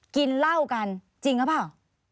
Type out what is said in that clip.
กินเหล้ากันจริงหรือเปล่า